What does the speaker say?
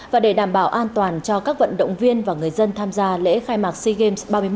và để đảm bảo an toàn cho các vận động viên và người dân tham gia lễ khai mạc sea games ba mươi một